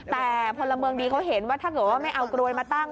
แต่พลเมืองดีเขาเห็นว่าถ้าเกิดว่าไม่เอากรวยมาตั้ง